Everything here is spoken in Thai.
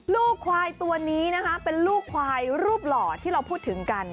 ลูกควายตัวนี้นะคะเป็นลูกควายรูปหล่อที่เราพูดถึงกัน